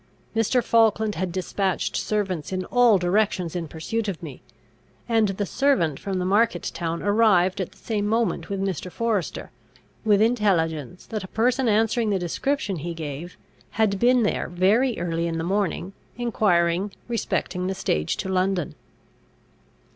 Mr. Falkland had despatched servants in all directions in pursuit of me; and the servant from the market town arrived at the same moment with Mr. Forester, with intelligence that a person answering the description he gave, had been there very early in the morning enquiring respecting the stage to London.